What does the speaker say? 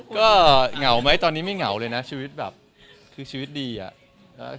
ก็เหงาไหมตอนนี้ไม่เหงาเลยนะชีวิตแบบคือชีวิตดีอ่ะ